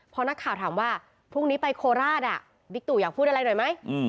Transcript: พอนักข่าวถามว่าพรุ่งนี้ไปโคราชบิ๊กตู่อยากพูดอะไรหน่อยไหม